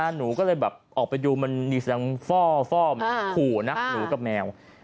หนูก็เลยแบบออกไปดูมันมีเสียงฟ่อขู่นะหนูกับแมว